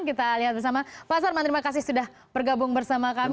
kita lihat bersama pak sarman terima kasih sudah bergabung bersama kami